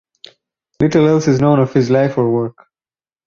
Little else is known of his life or work.